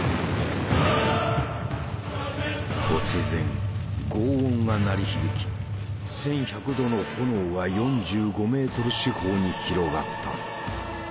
突然ごう音が鳴り響き１，１００度の炎が４５メートル四方に広がった。